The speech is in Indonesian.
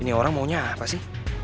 ini orang maunya apa sih